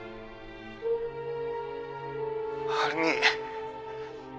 「晴美」